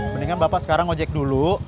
mendingan bapak sekarang ojek dulu